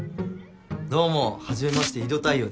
どうも初めまして井戸太陽です。